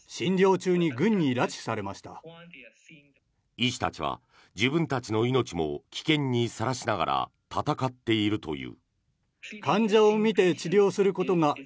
医師たちは自分たちの命も危険にさらしながら闘っているという。